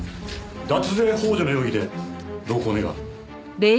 脱税幇助の容疑で同行を願う。